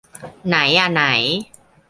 ไหนอะไหน